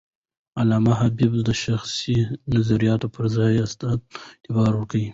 علامه حبيبي د شخصي نظریاتو پر ځای اسنادو ته اعتبار ورکړی.